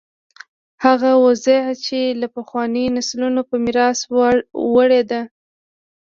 هغه وضع چې له پخوانیو نسلونو په میراث وړې ده.